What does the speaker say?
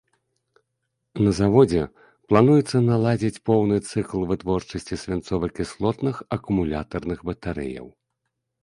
На заводзе плануецца наладзіць поўны цыкл вытворчасці свінцова-кіслотных акумулятарных батарэяў.